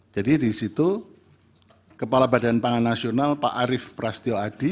jadi di situ kepala badan pangan nasional pak arief prasetyo adi